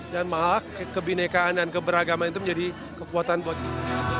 dan malah kebinekaan dan keberagaman itu menjadi kekuatan buat kita